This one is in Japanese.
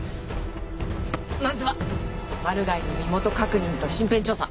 まずはマルガイの身元確認と身辺調査。